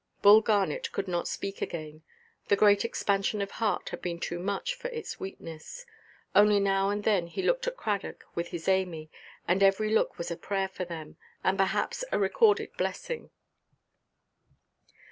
Bull Garnet could not speak again. The great expansion of heart had been too much for its weakness. Only now and then he looked at Cradock with his Amy, and every look was a prayer for them, and perhaps a recorded blessing.